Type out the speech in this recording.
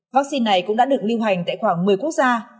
vắc xin này cũng đã được lưu hành tại khoảng một mươi quốc gia